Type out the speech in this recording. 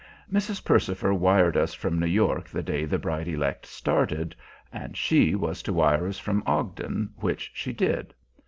Mrs. Percifer wired us from New York the day the bride elect started, and she was to wire us from Ogden, which she did.